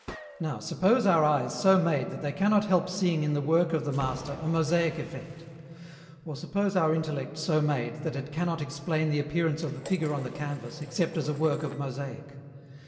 Now, suppose our eyes so made that they cannot help seeing in the work of the master a mosaic effect. Or suppose our intellect so made that it cannot explain the appearance of the figure on the canvas except as a work of mosaic.